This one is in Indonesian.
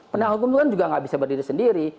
penegak hukum itu kan juga nggak bisa berdiri sendiri